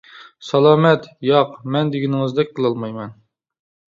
سالامەت : ياق، مەن دېگىنىڭىزدەك قىلالمايمەن.